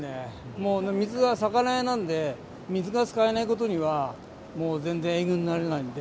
もう水は魚屋なんで、水が使えないことにはもう全然営業にならないんで。